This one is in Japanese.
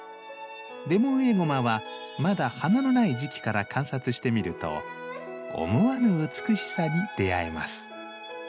レモンエゴマはまだ花のない時期から観察してみると思わぬ美しさに出会えます。